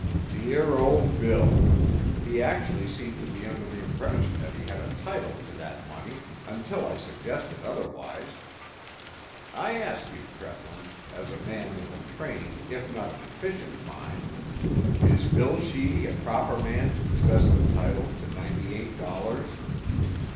"Dear old Bill! He actually seemed to be under the impression that he had a title to that money—until I suggested otherwise. I ask you, Treplin, as a man with a trained if not an efficient mind, is Bill Sheedy a proper man to possess the title to ninety eight dollars?"